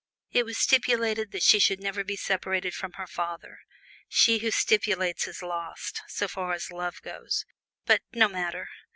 It was stipulated that she should never be separated from her father. She who stipulates is lost, so far as love goes but no matter!